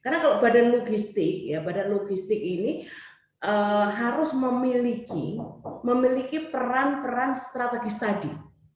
karena kalau badan logistik ini harus memiliki peran peran strategis tadi